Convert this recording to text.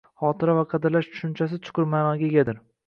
Xotira va qadrlash tushunchasi chuqur ma'noga egadir